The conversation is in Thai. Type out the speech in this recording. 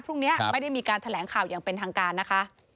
พรุ่งนี้ไม่ได้มีการแถลงข่าวอย่างเป็นทางการนะคะ